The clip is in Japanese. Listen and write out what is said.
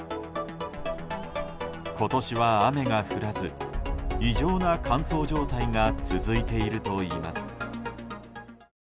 今年は雨が降らず異常な乾燥状態が続いているといいます。